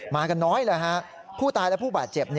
กันน้อยเลยฮะผู้ตายและผู้บาดเจ็บ